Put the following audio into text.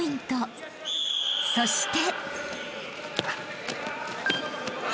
［そして］